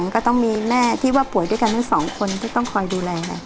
ก็ต้องมีแม่ที่ว่าป่วยด้วยกันทั้งสองคนที่ต้องคอยดูแล